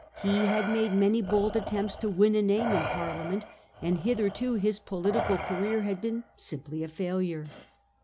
He had made many bold attempts to win a name in Parliament, and hitherto his political career had been simply a failure.